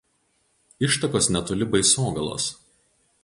Ištakos netoli Baisogalos.